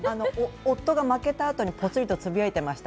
夫が負けたあとにポツリとつぶやいていました。